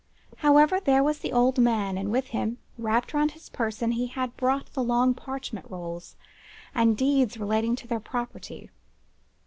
However, there was the old man and with him, wrapped round his person, he had brought the long parchment rolls, and deeds relating to their property.